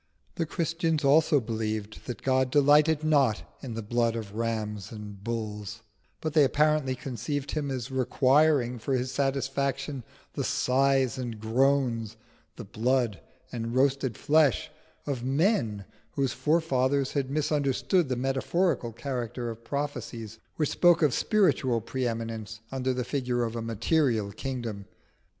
The Christians also believed that God delighted not in the blood of rams and of bulls, but they apparently conceived Him as requiring for His satisfaction the sighs and groans, the blood and roasted flesh of men whose forefathers had misunderstood the metaphorical character of prophecies which spoke of spiritual pre eminence under the figure of a material kingdom.